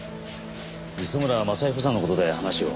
磯村正彦さんの事で話を。